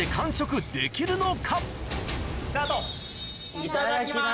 いただきます。